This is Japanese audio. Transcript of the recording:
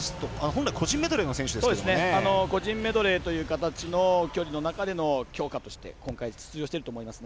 本来、個人メドレーの個人メドレーという形の距離の中の強化として今回出場していると思います。